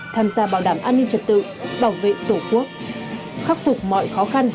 tham gia bảo đảm an ninh trật tự bảo vệ tổ quốc khắc phục mọi khó khăn